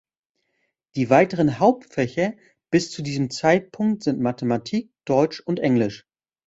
Die weiteren Hauptfächer bis zu diesem Zeitpunkt sind Mathematik, Deutsch und Englisch.